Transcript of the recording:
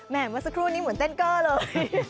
เมื่อสักครู่นี้เหมือนเต้นเกอร์เลย